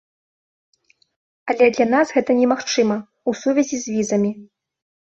Але для нас гэта немагчыма ў сувязі з візамі.